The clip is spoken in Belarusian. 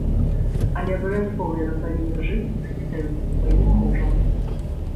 Але абавязкова яна павінна жыць з прэзідэнтам, сваім мужам.